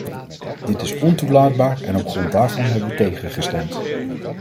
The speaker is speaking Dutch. Dit is ontoelaatbaar, en op grond daarvan hebben we tegen gestemd.